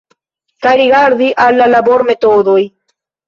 Kaj rigardi al la labormetodoj.